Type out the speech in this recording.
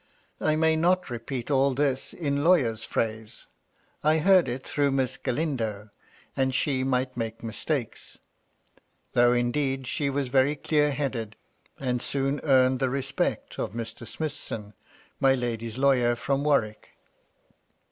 I may not repeat all this in lawyer's phrase ; I heard it through Miss Galindo, and she might make mistakes. Though, indeed, she was very clear headed, and soon earned the respect of Mr. Smithson, my lady's lawyer from Warwick.